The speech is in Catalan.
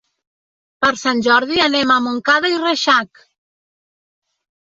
Per Sant Jordi anem a Montcada i Reixac.